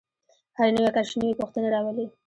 هر نوی کشف نوې پوښتنې راولي.